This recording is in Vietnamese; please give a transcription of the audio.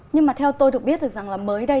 nhưng mà theo tôi được biết được rằng là mới đây